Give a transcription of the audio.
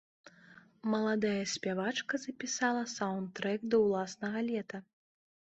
Маладая спявачка запісала саўндтрэк да ўласнага лета.